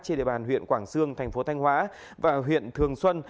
trên địa bàn huyện quảng sương thành phố thanh hóa và huyện thường xuân